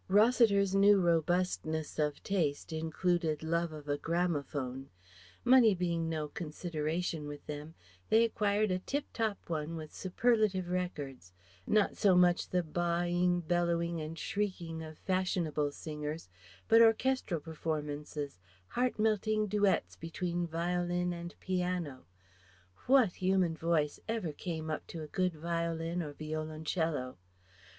Rossiter's new robustness of taste included love of a gramophone. Money being no consideration with them, they acquired a tip top one with superlative records; not so much the baaing, bellowing and shrieking of fashionable singers, but orchestral performances, heart melting duets between violin and piano (what human voice ever came up to a good violin or violoncello?)